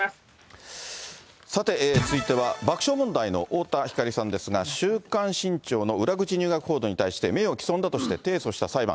さて、続いては爆笑問題の太田光さんですが、週刊新潮の裏口入学に対して名誉毀損だとして、提訴した裁判。